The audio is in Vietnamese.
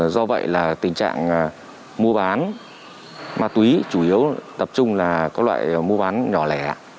do vậy là tình trạng mua bán ma túy chủ yếu tập trung là các loại mua bán nhỏ lẻ